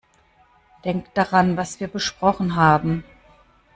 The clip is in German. Denk daran, was wir besprochen haben!